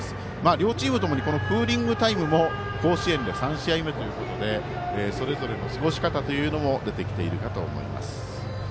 両チームともにクーリングタイムも甲子園で３試合目ということでそれぞれの過ごし方というのも出てきているかと思います。